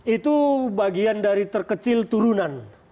itu bagian dari terkecil turunan